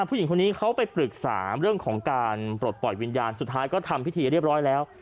ผู้หญิงคนนี้เขาไปปรึกษาเรื่องของการปลดปล่อยวิญญาณสุดท้ายก็ทำพิธีเรียบร้อยแล้ว